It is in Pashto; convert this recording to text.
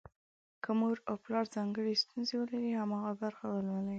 که مور او پلار ځانګړې ستونزه ولري، هماغه برخه ولولي.